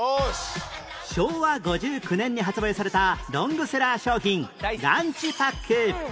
昭和５９年に発売されたロングセラー商品ランチパック